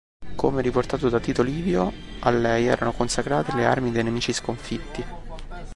Come riportato da Tito Livio, a lei erano consacrate le armi dei nemici sconfitti.